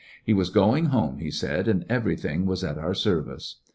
He was going home, he said, and everything was at our service.